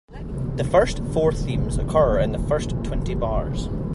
The first four themes occur in the first twenty bars.